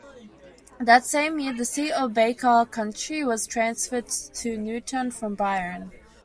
That same year, the seat of Baker County was transferred to Newton from Byron.